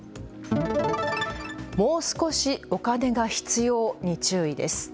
もう少しお金が必要に注意です。